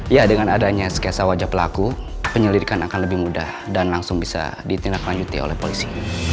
ya dengan adanya sketsa wajah pelaku penyelidikan akan lebih mudah dan langsung bisa ditindaklanjuti oleh polisi